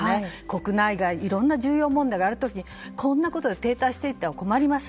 国内外いろんな重要な問題がある時にこんなことで停滞していては困ります。